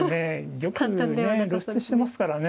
玉がね露出してますからね。